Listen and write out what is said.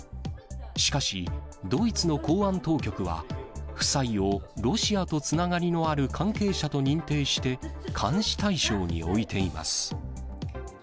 しかし、ドイツの公安当局は、夫妻をロシアとつながりのある関係者と認定して、監視対象に置いています。